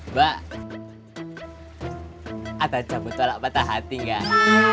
mbak ada jabut tolak patah hati gak